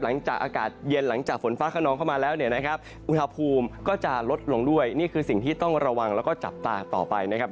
หลังจากอากาศเย็นหลังจากฝนฟ้าขนองเข้ามาแล้วเนี่ยนะครับอุณหภูมิก็จะลดลงด้วยนี่คือสิ่งที่ต้องระวังแล้วก็จับตาต่อไปนะครับ